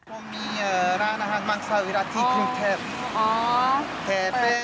ผมมีร้านอาหารมังซาวิรัติที่กรุงเทพ